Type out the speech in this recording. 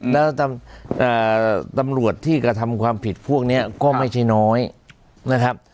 แล้วตำรวจที่กระทำความผิดพวกนี้ก็ไม่ใช่น้อยนะครับ